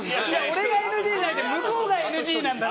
俺がＮＧじゃないけど向こうがＮＧなんだよ。